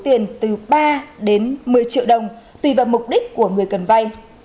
thẻ sinh viên cũng có thể cầm cố được số tiền từ ba đến một mươi triệu đồng tùy vào mục đích của người cần vay